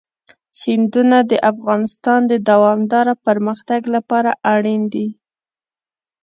سیندونه د افغانستان د دوامداره پرمختګ لپاره اړین دي.